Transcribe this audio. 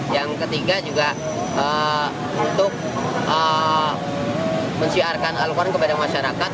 yang ketiga juga untuk mensiarkan al quran kepada masyarakat